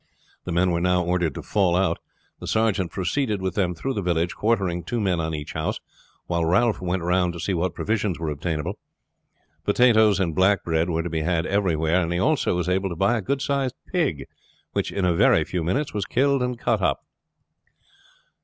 The men were now ordered to fall out. The sergeant proceeded with them through the village, quartering two men on each house, while Ralph went round to see what provisions were obtainable. Potatoes and black bread were to be had everywhere, and he also was able to buy a good sized pig, which, in a very few minutes, was killed and cut up.